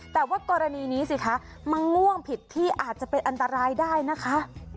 แต่ว่ากรณีนี้สิคะมะม่วงผิดที่อาจจะเป็นอันตรายได้นะคะ